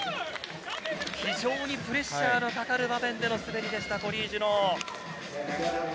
非常にプレッシャーのかかる場面での滑りでした、コリー・ジュノー。